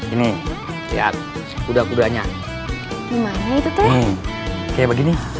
ini lihat udah udahnya